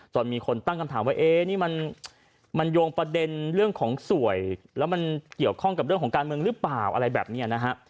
มีคนตั้งคำถามว่าเอ๊นี่มันโยงประเด็นเรื่องของสวยแล้วมันเกี่ยวข้องกับเรื่องของการเมืองหรือเปล่าอะไรแบบนี้นะฮะ